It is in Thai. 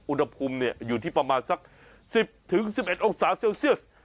อุณหภูมิเนี่ยอยู่ที่ประมาณสัก๑๐ถึง๑๑อกษาเซลเซียส